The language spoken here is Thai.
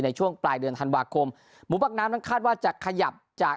ในช่วงปลายเดือนธันวาคมหมูปักน้ำนั้นคาดว่าจะขยับจาก